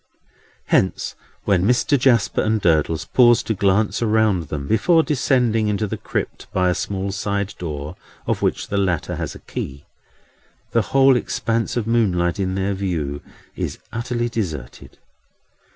Hence, when Mr. Jasper and Durdles pause to glance around them, before descending into the crypt by a small side door, of which the latter has a key, the whole expanse of moonlight in their view is utterly deserted.